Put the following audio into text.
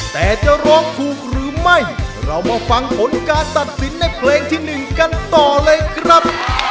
แต่จะร้องถูกหรือไม่เรามาฟังผลการตัดสินในเพลงที่๑กันต่อเลยครับ